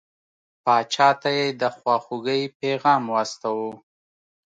پاچا ته یې د خواخوږی پیغام واستاوه.